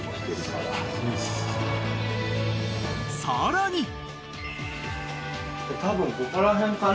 ［さらに］